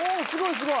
すごい！